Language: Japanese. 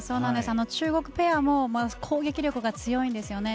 中国ペアも攻撃力が強いんですよね。